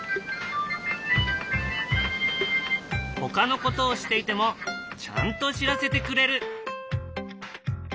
ほかのことをしていてもちゃんと知らせてくれる。